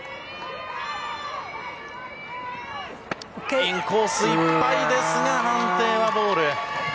インコースいっぱいですが判定はボール。